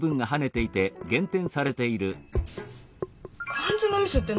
漢字のミスって何でよ！